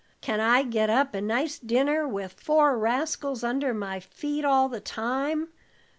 Can I get up a nice dinner with four rascals under my feet all the time?